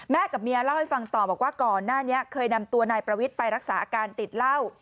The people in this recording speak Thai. กับเมียเล่าให้ฟังต่อบอกว่าก่อนหน้านี้เคยนำตัวนายประวิทย์ไปรักษาอาการติดเหล้า